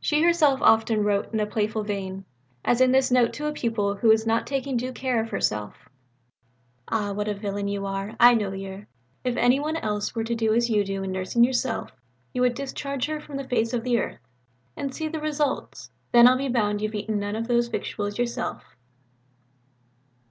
She herself often wrote in a playful vein; as in this note to a pupil who was not taking due care of herself: "Ah, what a villain you are! I knowed yer! If any one else were to do as you do in nursing yourself, you would discharge her from the face of the earth. And see the results! Then, I'll be bound you've eaten none of those victuals yourself."